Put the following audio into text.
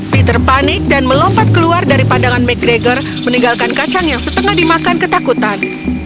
peter panik dan melompat keluar dari pandangan mcgregor meninggalkan kacang yang setengah dimakan ketakutan